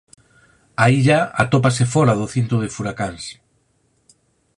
A illa atópase fóra do cinto de furacáns.